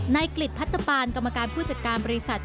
ในกฤทธิ์พัฒนาปานกรรมการผู้จัดการบริษัท